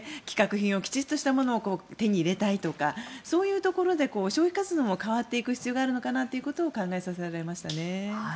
規格品、きちんとしたものを手に入れたいとかそういうところで消費活動も変わっていく必要があるのかなというところを考えさせられましたよね。